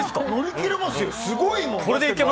すごいもん！